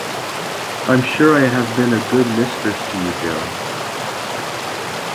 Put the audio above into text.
‘I’m sure I have been a good mistress to you, Joe.